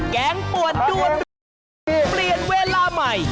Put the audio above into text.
งป่วนด้วนเปลี่ยนเวลาใหม่